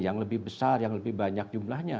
yang lebih besar yang lebih banyak jumlahnya